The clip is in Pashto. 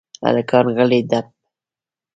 هلکان غلي دپ .